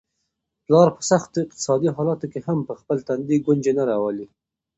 پلار په سختو اقتصادي حالاتو کي هم په خپل تندي ګونجې نه راولي.